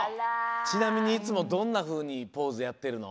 ちなみにいつもどんなふうにポーズやってるの？